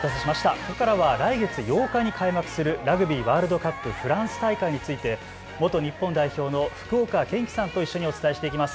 ここからは来月８日に開幕するラグビーワールドカップ、フランス大会について元日本代表の福岡堅樹さんと一緒にお伝えします。